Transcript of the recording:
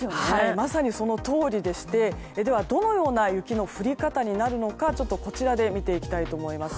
まさにそのとおりでしてどのような雪の降り方になるのかこちらで見ていきたいと思います。